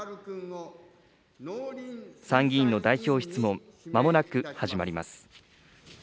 参議院の代表質問、まもなく始まります。